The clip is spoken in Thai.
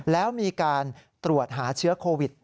แล้วมีการตรวจหาเชื้อโควิด